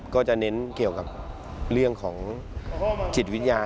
ก็จะเน้นเกี่ยวกับเรื่องของจิตวิญญาณ